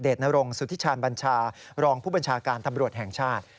นรงสุธิชาญบัญชารองผู้บัญชาการตำรวจแห่งชาติ